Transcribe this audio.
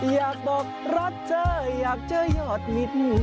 อยากบอกรักเธออยากเจอยอดมิตร